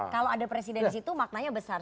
kalau ada presiden di situ maknanya besar